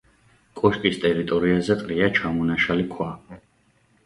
კოშკის ტერიტორიაზე ყრია ჩამონაშალი ქვა.